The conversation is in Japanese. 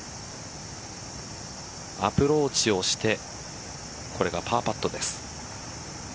アプローチをしてこれがパーパットです。